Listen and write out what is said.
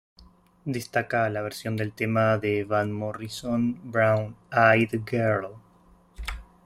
Destaca la versión del tema de Van Morrison, "Brown Eyed Girl".